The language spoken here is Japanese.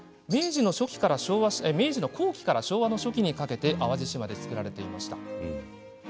明治後期から、昭和初期にかけ淡路島で作られていたんです。